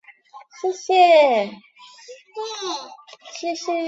史籍中还记载了数支未注明与康武理等同族的那木都鲁氏世家。